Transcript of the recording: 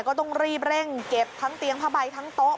ก็ต้องรีบเร่งเก็บทั้งเตียงผ้าใบทั้งโต๊ะ